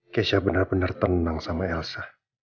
kesha benar benar tenang sama elsa